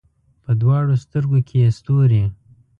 په دواړو سترګو کې یې ستوري